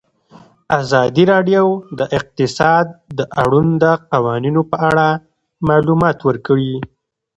ازادي راډیو د اقتصاد د اړونده قوانینو په اړه معلومات ورکړي.